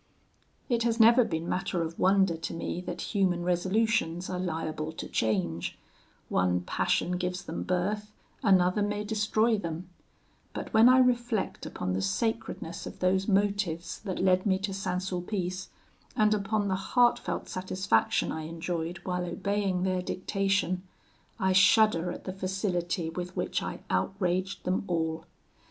"It has never been matter of wonder to me that human resolutions are liable to change; one passion gives them birth, another may destroy them; but when I reflect upon the sacredness of those motives that led me to St. Sulpice, and upon the heartfelt satisfaction I enjoyed while obeying their dictation, I shudder at the facility with which I outraged them all.